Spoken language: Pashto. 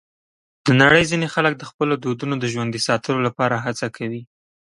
د نړۍ ځینې خلک د خپلو دودونو د ژوندي ساتلو لپاره هڅه کوي.